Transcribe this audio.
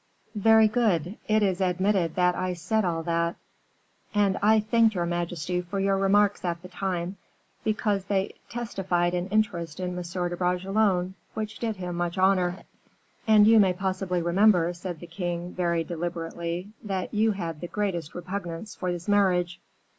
"Very good: it is admitted that I said all that." "And I thanked your majesty for your remarks at the time, because they testified an interest in M. de Bragelonne which did him much honor." "And you may possibly remember," said the king, very deliberately, "that you had the greatest repugnance for this marriage."